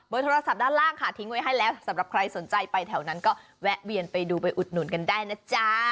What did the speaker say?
โดยโทรศัพท์ด้านล่างค่ะทิ้งไว้ให้แล้วสำหรับใครสนใจไปแถวนั้นก็แวะเวียนไปดูไปอุดหนุนกันได้นะจ๊ะ